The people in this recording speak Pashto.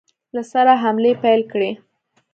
له سره حملې پیل کړې.